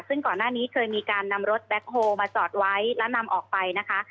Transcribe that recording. ซึ่งก่อนหน้านี้เคยมีการนำรถแบ็คโฮลมาจอดไว้และนำออกไปนะคะ